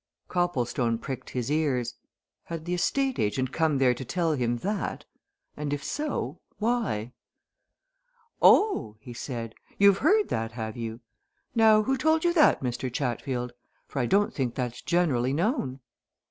Copplestone pricked his ears. Had the estate agent come there to tell him that? And if so, why? "Oh!" he said. "You've heard that, have you? Now who told you that, Mr. Chatfield? For I don't think that's generally known."